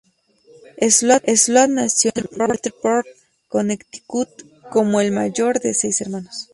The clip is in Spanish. Sloat nació en Westport, Connecticut como el mayor de seis hermanos.